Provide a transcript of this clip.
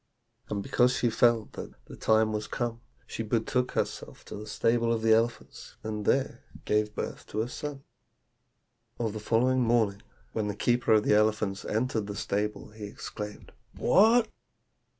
And because she felt that the time was come, she betook herself to the stable of the elephants, and there gave birth to a son. "On the following morning, when the keeper of the elephants entered the stable, he exclaimed, 'What!